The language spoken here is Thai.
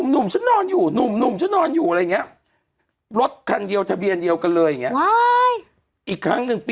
น้องเต้นไม่ค่อยซื้อรถน้องเต้นไม่ค่อยซื้อรถน้องเต้น